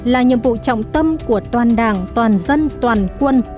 là nhiệm vụ trọng tâm của toàn đảng toàn dân toàn quân